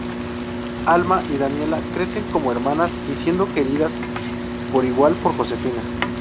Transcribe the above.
Alma y Daniela crecen como hermanas y siendo queridas por igual por Josefina.